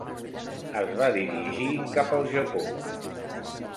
Es va dirigir cap al Japó.